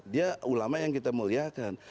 dia ulama yang kita muliakan